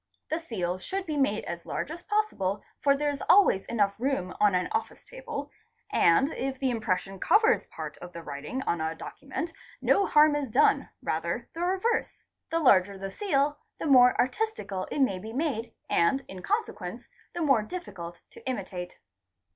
The seals should be made as large as possible for there is always room enough on an office table, and if the impression covers part of the writing on a document no harm is done—rather the reverse. The larger the seal the more artis tical it may be made and in consequence the more difficult to imitate.